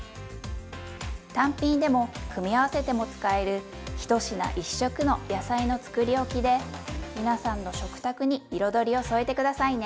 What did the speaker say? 単品でも組み合わせても使える「１品１色の野菜のつくりおき」で皆さんの食卓に彩りを添えて下さいね。